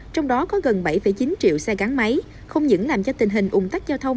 trong đó có gần bảy chín triệu xe gắn máy không những làm cho tình hình ủng tắc giao thông